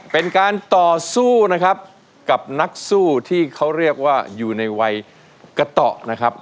เป็นการต่อสู้นะครับกับนักสู้ที่เขาเรียกว่าอยู่ในวัยกระต่อนะครับ